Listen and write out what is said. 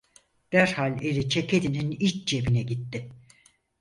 Derhal eli ceketinin iç cebine gitti.